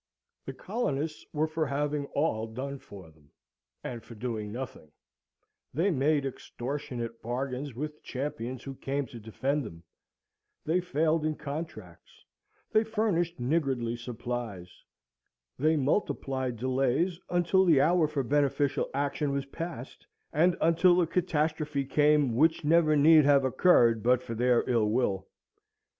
The colonists were for having all done for them, and for doing nothing, They made extortionate bargains with the champions who came to defend them; they failed in contracts; they furnished niggardly supplies; they multiplied delays until the hour for beneficial action was past, and until the catastrophe came which never need have occurred but for their ill will.